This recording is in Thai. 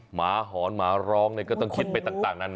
หมาหอนหมาร้องก็ต้องคิดไปต่างนานา